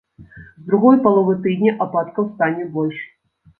З другой паловы тыдня ападкаў стане больш.